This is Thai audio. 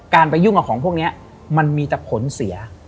การไปยุ่งกับของพวกนี้มันมีแต่ผลเสีย